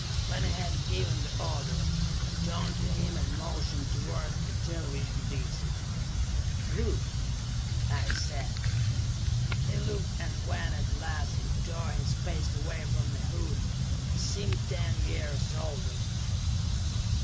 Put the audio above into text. When he had given the order, I turned to him and motioned towards the television disc. "Look," I said. He looked, and when at last he tore his face away from the hood, he seemed ten years older.